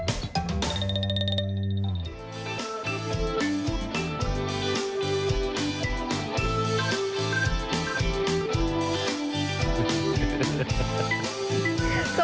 สวัสดีครับ